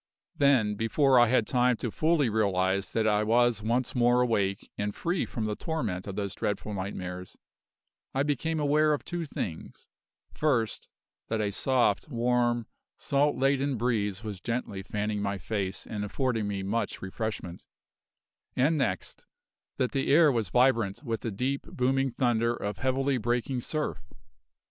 Then, before I had time to fully realise that I was once more awake and free from the torment of those dreadful nightmares, I became aware of two things; first, that a soft, warm, salt laden breeze was gently fanning my face and affording me much refreshment, and next, that the air was vibrant with the deep, booming thunder of heavily breaking surf.